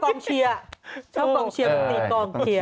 กองเชียร์กองเชียร์